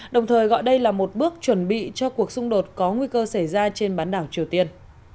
đồng thời gọi đây là một bước chuẩn bị cho cuộc xung đột có nguy cơ xảy ra trên bán đảo triều tiên